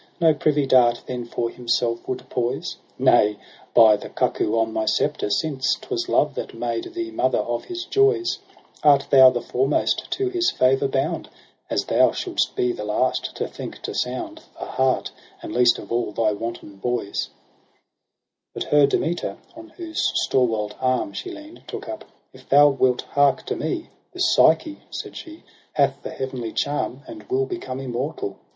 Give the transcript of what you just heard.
No privy dart then for himself would poise ? Nay, by the cuckoo on my sceptre, since 'Twas love that made thee mother of his joys, Art thou the foremost to his favour bound ; As thou shouldst be the last to think to sound The heart, and least of all thy wanton boy's,' But her Demeter, on whose stalwart arm She lean'd, took up :* F thou wilt hark to me. This Psyche,' said she, ' hath the heavenly charm. And will become immortal.